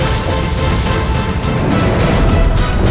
aku akan menangkanmu